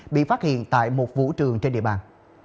bị phát hiện tại một vũ trường trên địa bàn